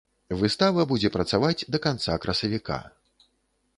Выстава будзе працаваць да канца красавіка.